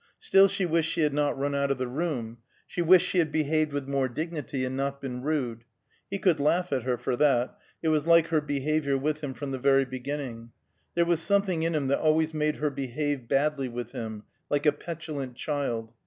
Still she wished she had not run out of the room; she wished she had behaved with more dignity, and not been rude; he could laugh at her for that; it was like her behavior with him from the very beginning; there was something in him that always made her behave badly with him, like a petulant child.